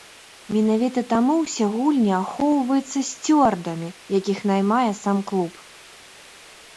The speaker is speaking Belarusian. Менавіта таму ўсе гульні ахоўваюцца сцюардамі, якіх наймае сам клуб.